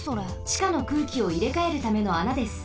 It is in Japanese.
ちかの空気をいれかえるためのあなです。